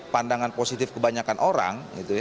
pandangan positif kebanyakan orang